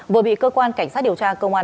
vừa bị cơ quan cảnh sát điều tra công an